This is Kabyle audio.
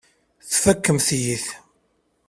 Tfakemt-iyi-t.